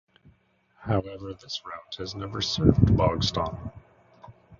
However this route has never served Bogston.